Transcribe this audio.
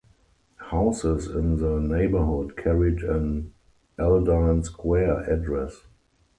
Houses in the neighborhood carried an "Aldine Square" address.